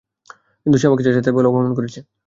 কিন্তু সে আমাকে যাচ্ছেতাই বলে অপমান করেছে।